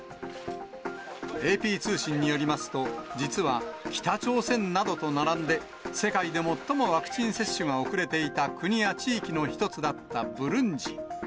ＡＰ通信によりますと、実は、北朝鮮などと並んで、世界で最もワクチン接種が遅れていた国や地域の１つだったブルンジ。